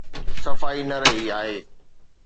صفائي نه رهي آهي.